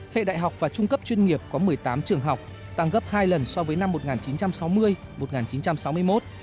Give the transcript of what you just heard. hệ đại học và trung cấp chuyên nghiệp có một mươi tám trường học tăng gấp hai lần so với năm một nghìn chín trăm sáu mươi một nghìn chín trăm sáu mươi một